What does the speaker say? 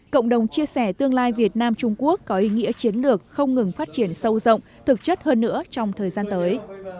cộng đồng chia sẻ tương lai việt nam trung quốc có ý nghĩa chiến lược không ngừng phát triển sâu rộng thực chất hơn nữa trong thời gian tới